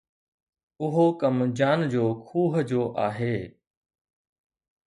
اهو ڪم جان جو کوهه جو آهي